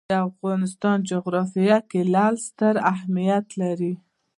د افغانستان جغرافیه کې لعل ستر اهمیت لري.